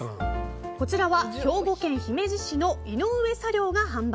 こちらは、兵庫県姫路市の井上茶寮が販売。